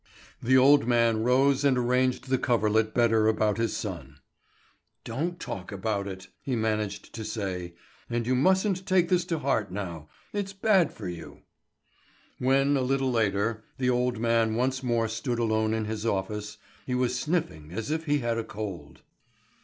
The old man rose and arranged the coverlet better about his son. "Don't talk about it!" he managed to say. "And you musn't take this to heart now; it's bad for you." When, a little later, the old man once more stood alone in his office, he was sniffing as if he had a cold.